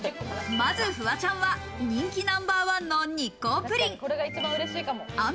まず、フワちゃんは人気ナンバーワンの日光ぷりん。